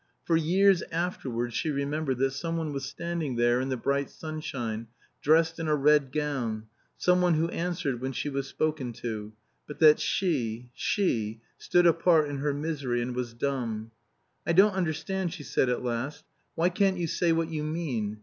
For years afterwards she remembered that some one was standing there in the bright sunshine, dressed in a red gown, some one who answered when she was spoken to; but that she she stood apart in her misery and was dumb. "I don't understand," she said at last. "Why can't you say what you mean?